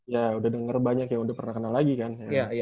ya udah denger banyak ya udah pernah kenal lagi kan